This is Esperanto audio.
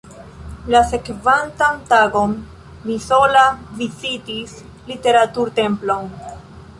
La sekvantan tagon mi sola vizitis Literatur-Templon.